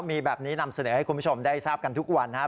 มีแบบนี้นำเสนอให้คุณผู้ชมได้ทราบกันทุกวันนะครับ